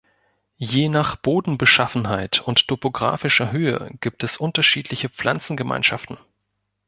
Je nach Bodenbeschaffenheit und topographischer Höhe gibt es unterschiedliche Pflanzengemeinschaften.